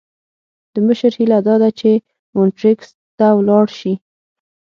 د مشر هیله داده چې مونټریکس ته ولاړ شي.